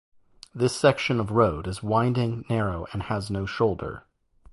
This section of road is winding, narrow and has no shoulder.